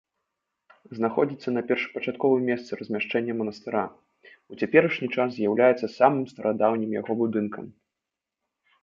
Знаходзіцца на першапачатковым месцы размяшчэння манастыра, у цяперашні час з'яўляецца самым старадаўнім яго будынкам.